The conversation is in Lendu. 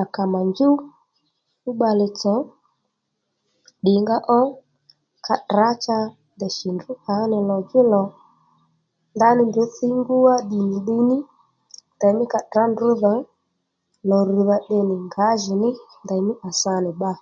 À kà mà njúw fú bbalè tsò ddìngaó ka tdrǎ cha ndèy shì fú kǎ nì lò djú lò ndaní ndrǔ ngú wá ddì nì ddiy ní ndèymí ka tdrǎ ndrǔ dhò lò rrđha tde nì ngǎjìní ndèymí à sa nì bba